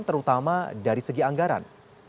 sama dari segi anggaran